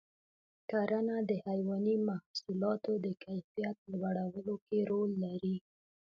کرنه د حیواني محصولاتو د کیفیت لوړولو کې رول لري.